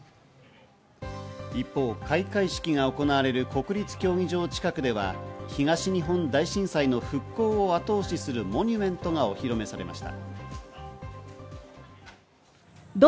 一方、開会式が行われる国立競技場近くでは東日本大震災の復興を後押しするモニュメントがお披露目されました。